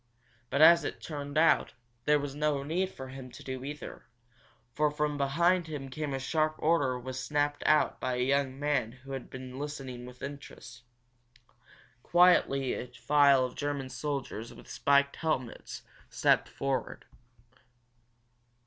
But, as it turned out, there was no need for him to do either, for from behind him a sharp order was snapped out by a young man who had been listening with interest. Quietly a file of German soldiers with spiked helmets stepped forward.